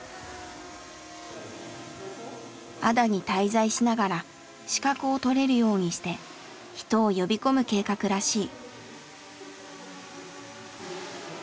安田に滞在しながら資格を取れるようにして人を呼び込む計画らしい。